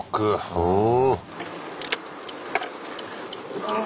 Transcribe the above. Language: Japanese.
うん。